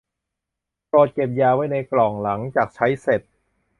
โปรดเก็บยาไว้ในกล่องหลังจากใช้เสร็จ